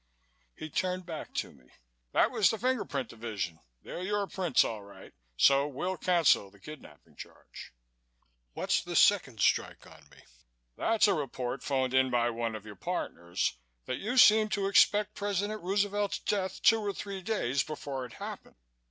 He turned back to me. "That was the Finger Print Division. They're your prints, all right, so we'll cancel the kidnapping charge." "What's the second strike on me?" "That's a report phoned in by one of your partners that you seemed to expect President Roosevelt's death two or three days before it happened."